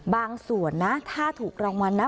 ส่วนนะถ้าถูกรางวัลนะ